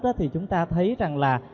thì chúng ta thấy rằng là